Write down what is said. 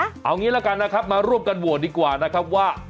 เอางี้ละกันนะครับมาร่วมกันโหวตดีกว่านะครับว่า